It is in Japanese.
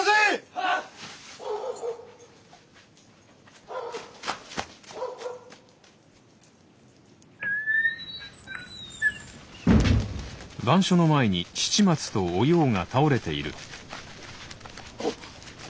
はっ！おっ！